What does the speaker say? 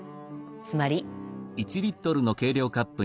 つまり。